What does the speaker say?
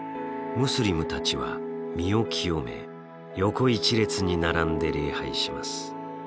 ムスリムたちは身を清め横一列に並んで礼拝します。